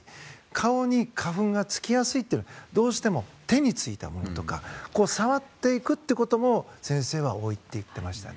顔に花粉が付きやすいというのはどうしても手についたものとか触っていくということも先生は多いと言っていました。